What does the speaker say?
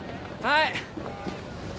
はい。